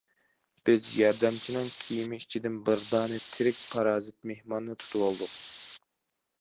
بىز ياردەمچىنىڭ كىيىمى ئىچىدىن بىر دانە تىرىك پارازىت مېھماننى تۇتۇۋالدۇق.